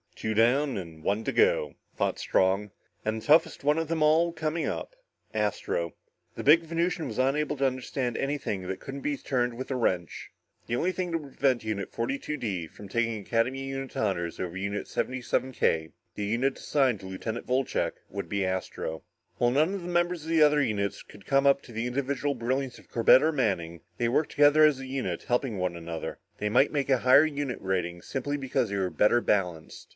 "Two down and one to go," thought Strong, and the toughest one of them all coming up. Astro. The big Venusian was unable to understand anything that couldn't be turned with a wrench. The only thing that would prevent Unit 42 D from taking Academy unit honors over Unit 77 K, the unit assigned to Lieutenant Wolcheck, would be Astro. While none of the members of the other units could come up to the individual brilliance of Corbett or Manning, they worked together as a unit, helping one another. They might make a higher unit rating, simply because they were better balanced.